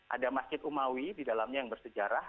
ada masjid umawi di dalamnya yang bersejarah